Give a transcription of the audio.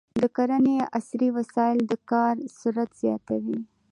د کرنې عصري وسایل د کار سرعت زیاتوي.